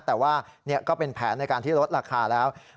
แต่ว่าก็เป็นแผนในการที่ลดราคาแล้ว